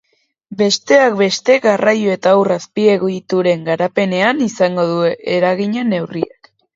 Besteak beste, garraio eta ur azpiegituren garapenean izango du eragina neurriak.